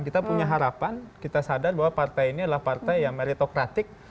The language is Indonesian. kita punya harapan kita sadar bahwa partai ini adalah partai yang meritokratik